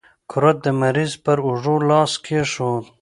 کرت د مریض پر اوږو لاس کېښود.